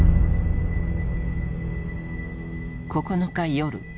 ９日夜